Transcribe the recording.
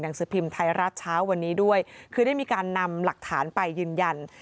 สือพิมพ์ไทยรัฐเช้าวันนี้ด้วยคือได้มีการนำหลักฐานไปยืนยัน